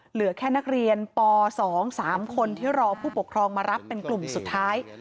เหลือแค่นักเรียนป๒๓คนที่รอผู้ปกครองมารับเป็นกลุ่มสุดท้าย